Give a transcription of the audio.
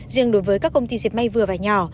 riêng đối với các công ty diệt may vừa và nhỏ